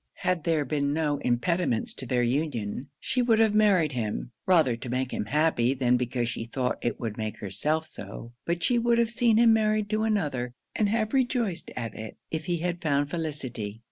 Had there been no impediments to their union, she would have married him, rather to make him happy than because she thought it would make herself so; but she would have seen him married to another, and have rejoiced at it, if he had found felicity.